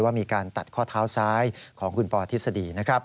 ว่ามีการตัดข้อเท้าซ้ายของคุณปอทฤษฎี